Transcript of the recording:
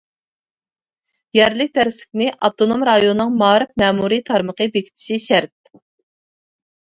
يەرلىك دەرسلىكنى ئاپتونوم رايوننىڭ مائارىپ مەمۇرىي تارمىقى بېكىتىشى شەرت.